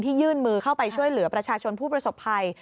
ยื่นมือเข้าไปช่วยเหลือประชาชนผู้ประสบภัย